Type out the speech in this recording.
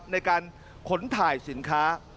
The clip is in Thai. ในการขนถ่ายสินค้า